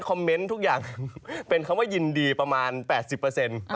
คำว่ายินดีประมาณ๘๐เปอร์เซ็นท์